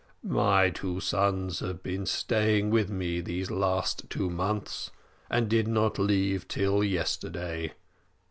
"My two sons have been staying with me these last two months, and did not leave till yesterday.